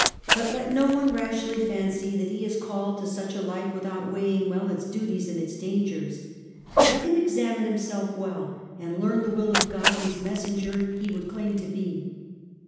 But let no one rashly fancy that he is called to such a life without weighing well its duties and its dangers. Let him examine himself well, and learn the will of God whose messenger he would claim to be.